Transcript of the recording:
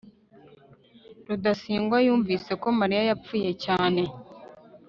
rudasingwa yumvise ko mariya yapfuye cyane